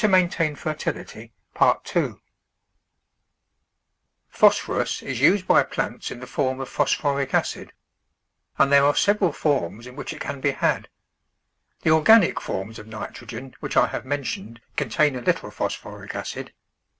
THE VEGETABLE GARDEN Phosphorus is used by plants in the form of phosphoric acid, and there are several forms in which it can be had. The organic forms of nitrogen, which I have mentioned, contain a little phosphoric acid.